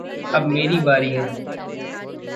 अब मेरी बारी है।